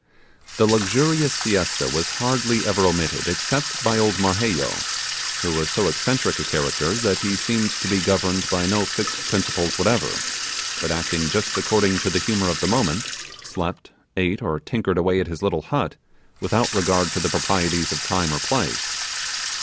The luxurious siesta was hardly ever omitted, except by old Marheyo, who was so eccentric a character, that he seemed to be governed by no fixed principles whatever; but acting just according to the humour of the moment, slept, ate, or tinkered away at his little hut, without regard to the proprieties of time or place.